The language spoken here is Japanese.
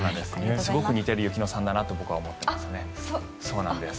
すごく似てる雪乃さんだと思っています。